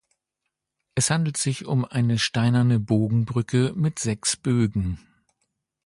Es handelt sich um eine steinerne Bogenbrücke mit sechs Bögen.